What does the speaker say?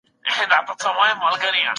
دا لنډ لرګی دئ.